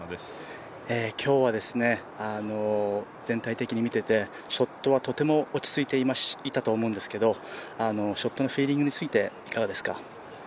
今日は、全体的に見ててショットはとても落ち着いていたと思うんですけどショットのフィーリングについて、いかがですか？